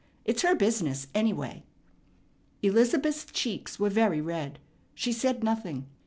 It's her business, anyway." Elizabeth's cheeks were very red. She said nothing.